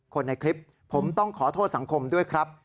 คนในคลิปผมต้องขอโทษสังคมด้วยครับ